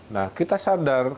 nah kita sadar